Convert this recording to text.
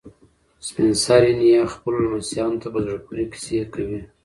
سپین سرې نیا خپلو لمسیانو ته په زړه پورې کیسې کوي.